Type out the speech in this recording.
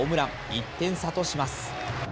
１点差とします。